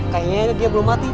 kayanya eneg dia belum mati tuh